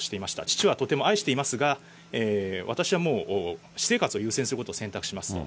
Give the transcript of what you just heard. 父はとても愛していますが、私はもう私生活を優先することを選択しますと。